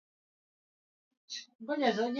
Matumaini yangu ni ya hakika,